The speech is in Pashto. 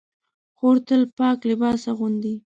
خور تل پاک لباس اغوندي.